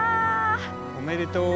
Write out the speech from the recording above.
おめでとう！